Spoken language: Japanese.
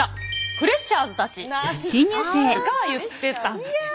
フレッシャーズたちが言ってたんです。